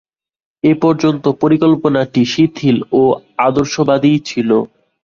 এ পর্যন্ত পরিকল্পনাটি শিথিল ও আদর্শবাদীই ছিল।